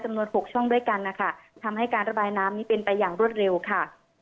หกช่องด้วยกันนะคะทำให้การระบายน้ำนี้เป็นไปอย่างรวดเร็วค่ะ